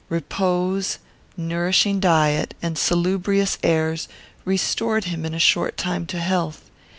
Repose, nourishing diet, and salubrious airs restored him in a short time to health.